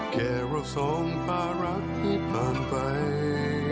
แค่เราสองภารักที่ผ่านไป